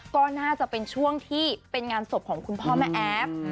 ก็น่าจะเป็นช่วงที่เป็นงานศพของคุณพ่อแม่แอฟ